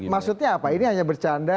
maksudnya apa ini hanya bercanda